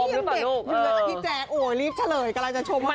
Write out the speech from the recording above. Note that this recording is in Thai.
อันนี้ยังเด็กเดือนพี่แจกโอ้ยรีบเฉลยกำลังจะชมว่า